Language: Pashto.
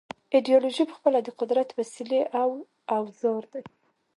ایدیالوژۍ پخپله د قدرت وسیلې او اوزار دي.